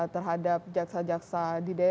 terhadap jaksa jaksa di daerah